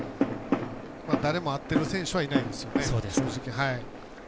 誰も合ってる選手はいないですよね、正直。